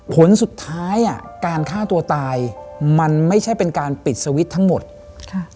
ผลสุดท้ายอ่ะการฆ่าตัวตายมันไม่ใช่เป็นการปิดสวิตช์ทั้งหมดค่ะ